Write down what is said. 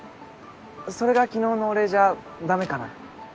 それが昨日のお礼じゃダメかな。